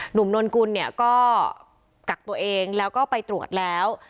นนกุลเนี่ยก็กักตัวเองแล้วก็ไปตรวจแล้ว